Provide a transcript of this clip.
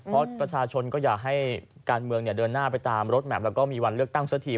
เพราะประชาชนก็อยากให้การเมืองเดินหน้าไปตามรถแมพแล้วก็มีวันเลือกตั้งสักที